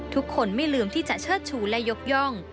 ไม่ลืมที่จะเชิดชูและยกย่อง